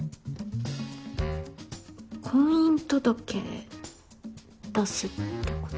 婚姻届出すってこと？